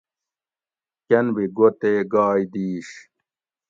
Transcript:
کۤن بھی گو تے گائ دِیش